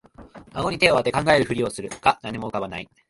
あごに手をあて考えるふりをするが何も浮かばない